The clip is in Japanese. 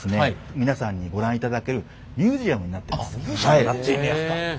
皆さんにご覧いただけるミュージアムなってんねや。